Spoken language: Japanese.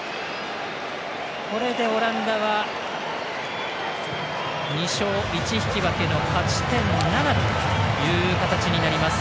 これでオランダは２勝１引き分けの勝ち点７という形になります。